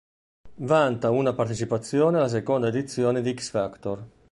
Vanta una partecipazione alla seconda edizione di X Factor.